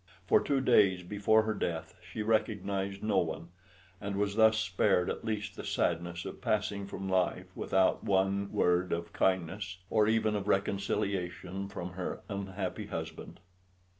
For two days before her death she recognised no one, and was thus spared at least the sadness of passing from life without one word of kindness or even of reconciliation from her unhappy husband.